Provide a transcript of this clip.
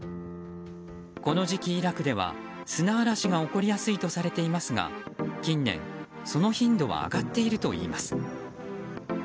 この時期、イラクでは砂嵐が起こりやすいとされていますが近年、その頻度は上がっているといいます。